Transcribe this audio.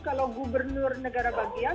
kalau gubernur negara bagian